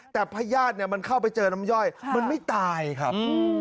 แต่พญาติเนี่ยมันเข้าไปเจอน้ำย่อยมันไม่ตายครับ